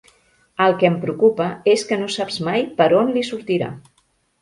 El que em preocupa és que no saps mai per on li sortirà.